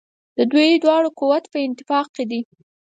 د دوی دواړو قوت په اتفاق کې دی.